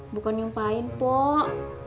bukan nyumpain pok